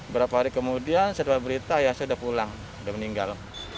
beberapa hari kemudian saya dapat berita ya saya udah pulang udah meninggal